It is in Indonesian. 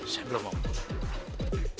saya belum mau pulang